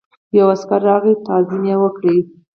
یو عسکر راغی تعظیم یې وکړ.